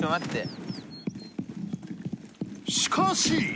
しかし。